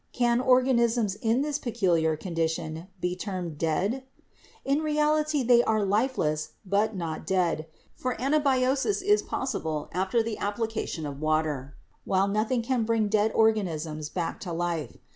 Can organisms in this peculiar condition be termed dead? In reality they are lifeless but not dead, for anabiosis is possible after the application of water, while nothing can bring dead organisms back to life.